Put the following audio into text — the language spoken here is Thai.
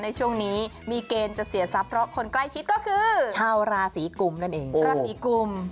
ในช่วงนี้มีเกณฑ์จะเสียทรัพย์เพราะคนใกล้ชิดก็คือชาวราศีกุมนั่นเองราศีกุม